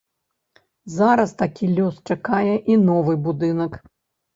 Зараз такі лёс чакае і новы будынак.